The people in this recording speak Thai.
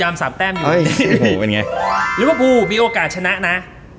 ลิเวอร์ปูมีโอกาสชนะนะ๔๐